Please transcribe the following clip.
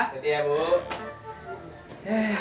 besok datang lagi ya